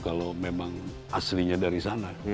kalau memang aslinya dari sana